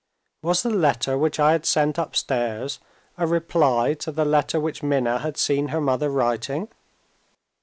Was the letter which I had sent upstairs a reply to the letter which Minna had seen her mother writing?